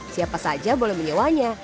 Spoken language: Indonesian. siapa saja boleh menyewanya